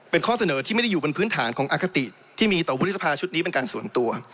เป็นข้อเสนอที่ไม่ได้อยู่บนพื้นฐานของอคติที่มีต่อวุฒิสภาชุดนี้เป็นการส่วนตัว